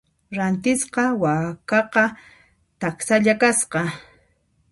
Rantisqa wakaqa taksalla kasqa.